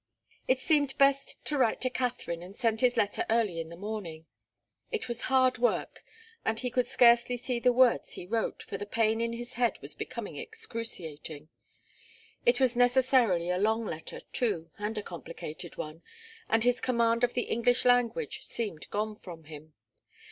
It seemed best to write to Katharine and send his letter early in the morning. It was hard work, and he could scarcely see the words he wrote, for the pain in his head was becoming excruciating. It was necessarily a long letter, too, and a complicated one, and his command of the English language seemed gone from him.